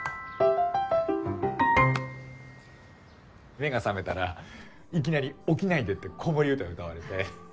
目が覚めたらいきなり「起きないで！」って子守唄歌われて。